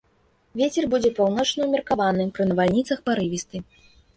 Вецер будзе паўночны ўмеркаваны, пры навальніцах парывісты.